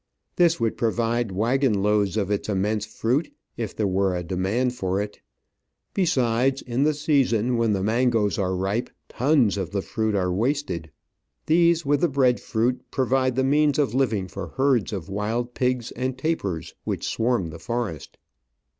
This would provide waggon loads of its immense fruit, if there were a demand for it. Besides, in the season, when the mangoes are ripe, tons of the fruit are Digitized by VjOOQIC OF AN Orchid Hunter. 191 wasted. These, with the bread fruit, provide the means of Hving for herds of wild pigs and tapirs, which swarm the forest.